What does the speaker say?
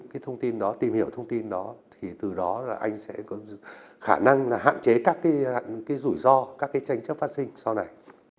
cái thông tin đó tìm hiểu thông tin đó thì từ đó là anh sẽ có khả năng là hạn chế các cái rủi ro các cái tranh chấp phát sinh sau này